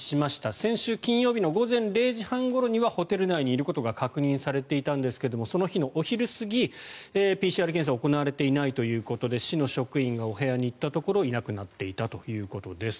先週金曜日の午前０時半ごろにはホテル内にいることが確認されていたんですがその日のお昼過ぎ、ＰＣＲ検査行われていないということで市の職員がお部屋に行ったところいなくなっていたということです。